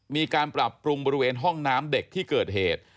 มีการปรับปรุงบริเวณห้องน้ำเด็กที่เกิดเหตุ